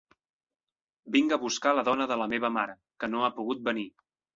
Vinc a buscar la dona de la meva mare, que no ha pogut venir.